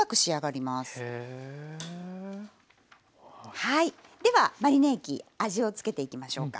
はいではマリネ液味を付けていきましょうか。